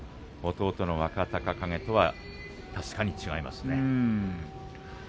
弟の若隆景とは確かに違います。